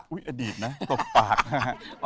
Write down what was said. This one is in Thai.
อุ๊ยอดีตนะตบปาก